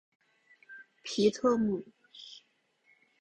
皮特姆。